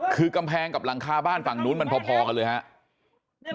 คือกำแพงกับหลังคาบ้านฝั่งนู้นมันพอกันเลยครับ